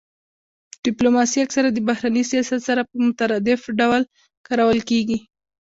ډیپلوماسي اکثرا د بهرني سیاست سره په مترادف ډول کارول کیږي